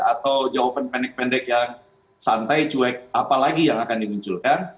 atau jawaban pendek pendek yang santai cuek apalagi yang akan dimunculkan